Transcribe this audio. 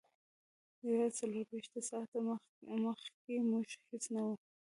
یوازې څلور ویشت ساعته مخکې موږ هیڅ نه وو